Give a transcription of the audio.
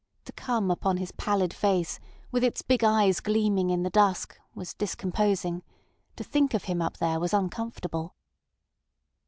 To come upon his pallid face, with its big eyes gleaming in the dusk, was discomposing; to think of him up there was uncomfortable.